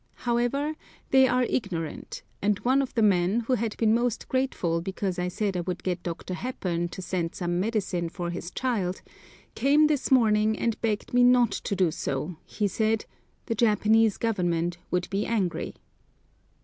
However, they are ignorant; and one of the men, who had been most grateful because I said I would get Dr. Hepburn to send some medicine for his child, came this morning and begged me not to do so, as, he said, "the Japanese Government would be angry."